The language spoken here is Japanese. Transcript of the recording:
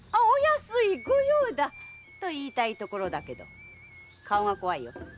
お安いご用だ！と言いたいところだけど顔が怖いよ。